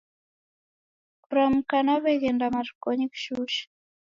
Kuramka naweghenda marikonyi kishushe